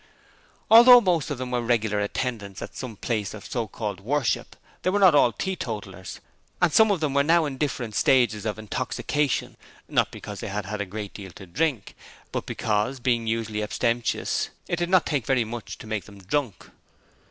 Although most of them were regular attendants at some place of so called worship, they were not all teetotallers, and some of them were now in different stages of intoxication, not because they had had a great deal to drink, but because being usually abstemious it did not take very much to make them drunk.